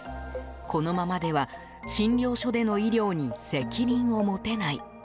このままでは診療所での医療に責任を持てない。